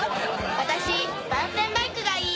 私マウンテンバイクがいい。